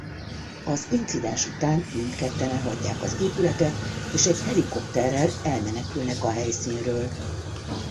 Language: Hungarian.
Az incidens után mindketten elhagyják az épületet és egy helikopterrel elmenekülnek a helyszínről.